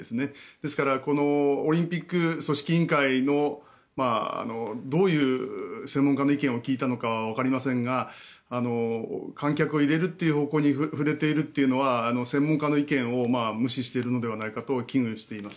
ですからオリンピック組織委員会のどういう専門家の意見を聞いたのかわかりませんが観客を入れるという方向に触れているっていうのは専門家の意見を無視しているのではないかと危惧しています。